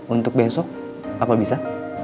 untuk besok apa bisa